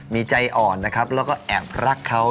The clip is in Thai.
มีใจอ่อนแล้วก็แอบรักเขา